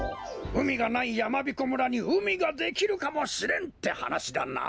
うみがないやまびこ村にうみができるかもしれんってはなしだな？